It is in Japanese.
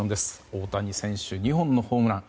大谷選手、２本のホームラン。